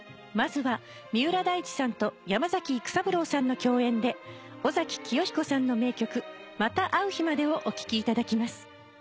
まずは三浦大知さんと山崎育三郎さんの共演で尾崎紀世彦さんの名曲『また逢う日まで』をお聴きいただきます。